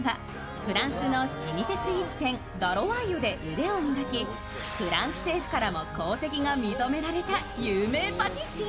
フランスの老舗スイーツ店ダロワイヨで腕を磨きフランス政府からも功績が認められた有名パティシエ。